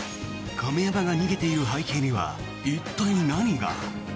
亀山が逃げている背景には一体、何が？